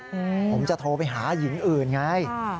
ผมจะโทรไปหาหญิงอื่นไง